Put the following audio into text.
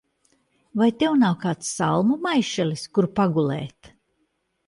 Vai tev nav kāds salmu maišelis, kur pagulēt?